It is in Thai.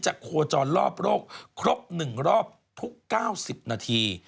จะโฆจรรย์รอบโลกครบ๑รอบทุก๙๐นาที